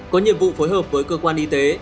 có nhiệm vụ phối hợp với cơ quan y tế